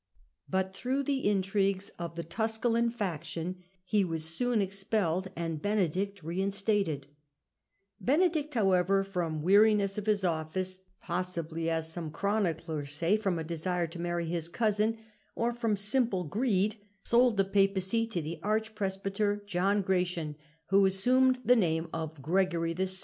but through the intrigues of the Tusculan faction he was soon expelled and Benedict reinstated. Benedict, however, from weariness of the office— possibly, as some Digitized by VjOOQIC Degradation op the Papacy 15 chroniclers say, from a desire to marry his cousin — or from simple greed, sold the Papacy to the archpresby ter, John Gratian, who assumed tie name of Gregory VI.